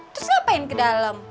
terus ngapain ke dalam